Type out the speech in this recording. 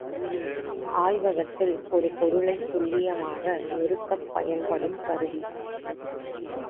ஆய்வகத்தில் ஒரு பொருளைத் துல்லியமாக நிறுக்கப் பயன்படும் கருவி.